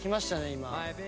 今。